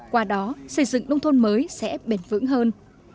qua đó xây dựng nông thôn mới sẽ bền vững hơn